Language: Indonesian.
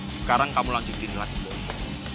sekarang kamu lanjutin lagi